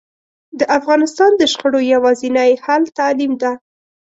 د افغانستان د شخړو یواځینی حل تعلیم ده